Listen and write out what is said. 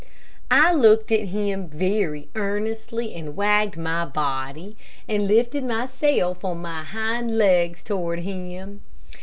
I looked at him very earnestly and wagged my body, and lifted myself on my hind legs toward him.